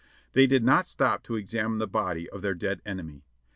They did not stop to examine the body of their dead enemy.